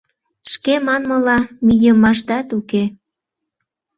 Шке манмыла, мийымашдат уке.